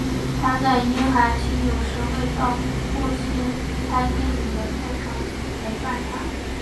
她在婴孩期有时会到父亲拍电影的片场陪伴他。